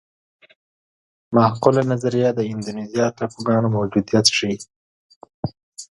معقوله نظریه د اندونیزیا ټاپوګانو موجودیت ښيي.